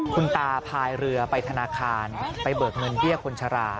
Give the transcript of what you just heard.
คุณตาพายเรือไปธนาคารไปเบิกเงินเบี้ยคนชรา